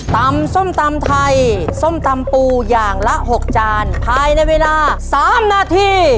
ส้มตำไทยส้มตำปูอย่างละ๖จานภายในเวลา๓นาที